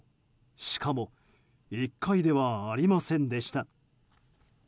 しかも１回ではありませんでした。